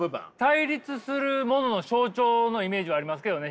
対立するものの象徴のイメージはありますけどね